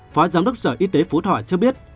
phó giám đốc sở y tế phú thọ cho biết